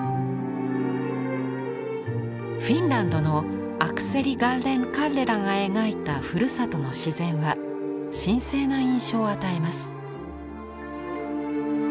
フィンランドのアクセリ・ガッレン＝カッレラが描いたふるさとの自然は神聖な印象を与えます。